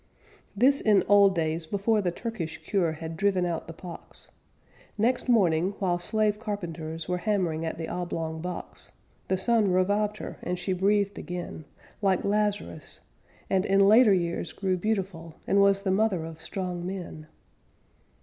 This in old days before the Turkish cure Had driven out the pox; Next morning, while slave carpenters Were hammering at the oblong box, The sun revived her and she breathed again, Like Lazarus, and in later years grew beautiful, And was the mother of strong men.